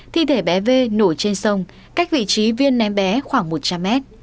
thi thể bé v nổi trên sông cách vị trí viên ném bé khoảng một trăm linh m